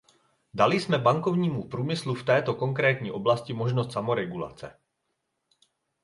Dali jsme bankovnímu průmyslu v této konkrétní oblasti možnost samoregulace.